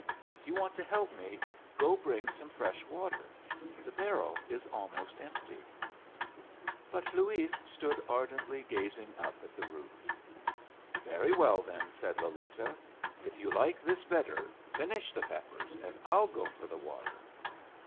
If you want to help me, go bring some fresh water. The barrel is almost empty." But Luis stood ardently gazing up at the roof. "Very well, then," said Lolita. "If you like this better, finish the peppers, and I'll go for the water."